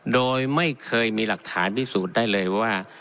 โดยไม่เคยมีหลักฐานพิสูจน์ได้เลยว่า